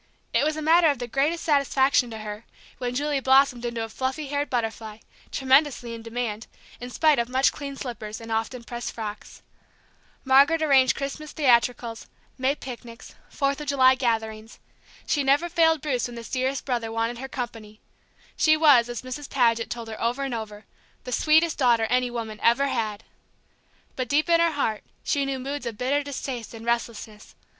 It was a matter of the greatest satisfaction to her when Julie blossomed into a fluffy haired butterfly, tremendously in demand, in spite of much cleaned slippers and often pressed frocks. Margaret arranged Christmas theatricals, May picnics, Fourth of July gatherings. She never failed Bruce when this dearest brother wanted her company; she was, as Mrs. Paget told her over and over, "the sweetest daughter any woman ever had." But deep in her heart she knew moods of bitter distaste and restlessness.